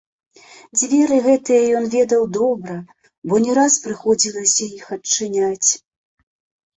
Дзверы гэтыя ён ведаў добра, бо не раз прыходзілася іх адчыняць.